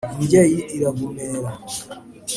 imbyeyi iravumera